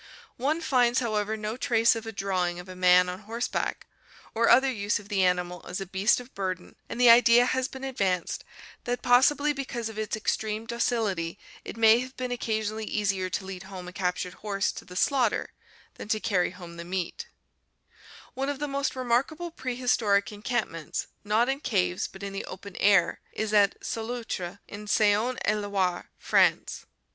One finds, however, no trace of a drawing of a man on horseback or other "use of the animal as a beast of burden and the idea has been advanced that possibly be cause of its extreme docility it may have been occasionally easier to lead home a captured horse to the slaughter than to carry home the meat. 624 ORGANIC EVOLUTION One of the most remarkable prehistoric encampments, not in caves but in the open air, is at Solutre in Sa6ne et Loire, Fiance.